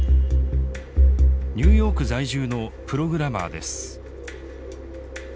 ニューヨーク在住のプログラマーです。